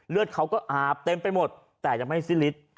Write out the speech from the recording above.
เลือดเขาก็อาบเต็มไปหมดแต่ยังไม่สิ้นฤทธิ์